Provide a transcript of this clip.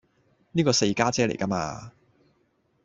呢個四家姐嚟㗎嘛